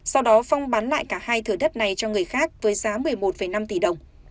sau đó phong bán lại cả hai thửa đất này cho người khác với giá một mươi một năm tỷ đồng